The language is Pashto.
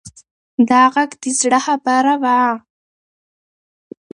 دا غږ د زړه خبره وه.